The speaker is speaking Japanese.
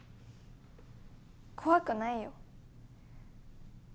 怖くないよ。